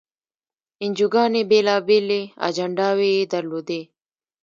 انجیوګانې بېلابېلې اجنډاوې یې درلودې.